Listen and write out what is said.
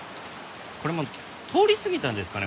これもう通りすぎたんですかね？